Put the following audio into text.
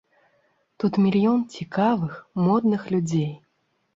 Тут мільён цікавых, модных людзей.